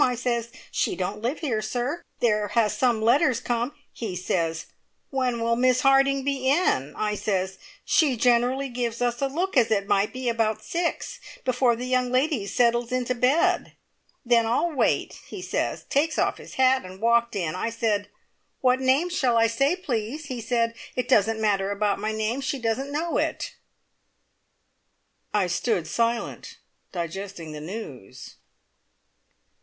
I says, `She don't live here, sir. There has some letters come ' He says, `When will Miss Harding be in?' I says, `She generally gives us a look, as it might be, about six, before the young ladies settles to bed'. `Then I'll wait!' he says, takes off his hat, and walked in. I said, `What name shall I say, please?' He said, `It doesn't matter about my name. She doesn't know it.'" I stood silent, digesting the news.